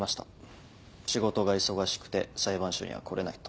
仕事が忙しくて裁判所には来れないと。